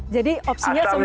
jadi opsinya semua di gunung